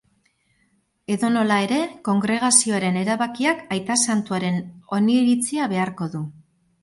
Edonola ere, kongregazioaren erabakiak aita santuaren oniritzia beharko du.